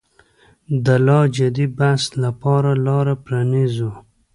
د لا جدي بحث لپاره لاره پرانیزو.